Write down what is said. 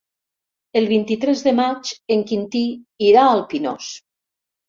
El vint-i-tres de maig en Quintí irà al Pinós.